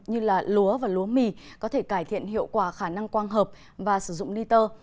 như lúa và lúa mì có thể cải thiện hiệu quả khả năng quang hợp và sử dụng niter